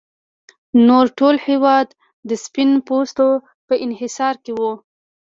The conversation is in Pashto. نور ټول هېواد د سپین پوستو په انحصار کې و.